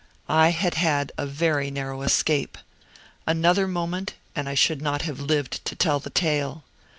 I had had a very narrow escape. Another moment and I should not have lived to tell the tale.